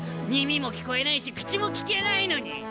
耳も聞こえないし口も利けないのに。